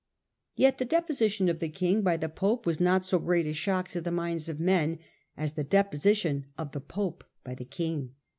Yet the deposition of the king by the pope was not so great a shock to the minds of men as the deposition of the pope by the king.